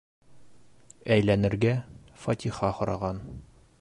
Әйләнергә... фатиха һораған.